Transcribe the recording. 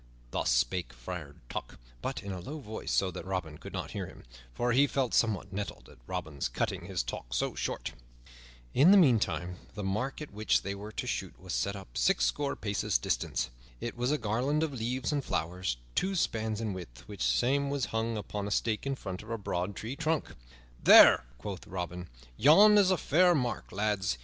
Thus spake Friar Tuck, but in a low voice so that Robin could not hear him, for he felt somewhat nettled at Robin's cutting his talk so short. In the meantime the mark at which they were to shoot was set up at sixscore paces distance. It was a garland of leaves and flowers two spans in width, which same was hung upon a stake in front of a broad tree trunk. "There," quoth Robin, "yon is a fair mark, lads.